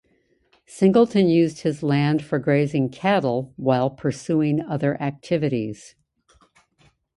Singleton used his land for grazing cattle while pursuing other activities.